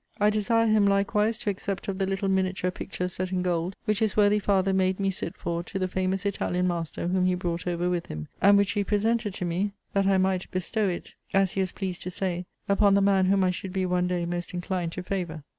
I desire him likewise to accept of the little miniature picture set in gold, which his worthy father made me sit for to the famous Italian master whom he brought over with him; and which he presented to me, that I might bestow it, as he was pleased to say, upon the man whom I should be one day most inclined to favour.